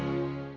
ya sudah ada